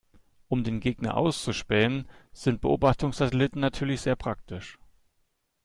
Um den Gegner auszuspähen, sind Beobachtungssatelliten natürlich sehr praktisch.